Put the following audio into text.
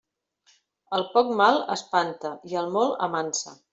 El poc mal espanta i el molt amansa.